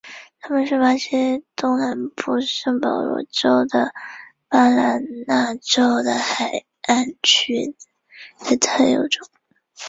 它们是巴西东南部圣保罗州及巴拉那州海岸区的特有种。